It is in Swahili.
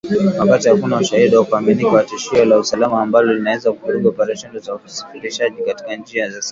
Wakati hakuna ushahidi wa kuaminika wa tishio la usalama ambalo linaweza kuvuruga operesheni za usafirishaji katika njia ya kaskazini